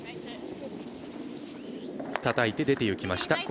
たたいて、出ていきました。